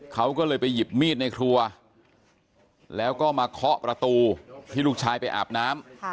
เขาก็เลยไปหยิบมีดในครัวแล้วก็มาเคาะประตูที่ลูกชายไปอาบน้ำ